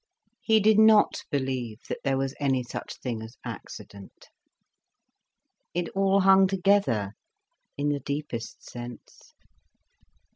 He did not believe that there was any such thing as accident. It all hung together, in the deepest sense.